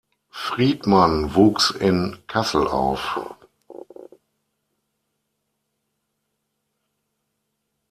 Friedmann wuchs in Kassel auf.